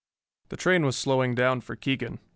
_] The train was slowing down for Keegan.